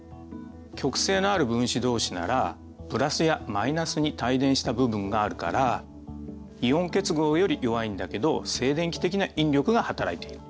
極性のある分子どうしならプラスやマイナスに帯電した部分があるからイオン結合より弱いんだけど静電気的な引力がはたらいている。